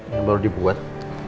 yang baru dibuat